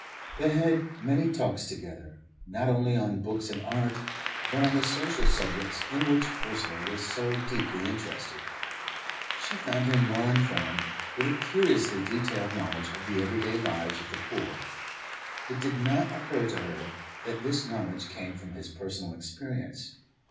They had many talks together, not only on books and art, but on the social subjects in which Ursula was so deeply interested. She found him well informed, with a curiously detailed knowledge of the everyday lives of the poor. It did not occur to her that this knowledge came from his personal experience.